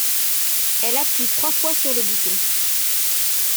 Elle appuie trois fois sur le bouton.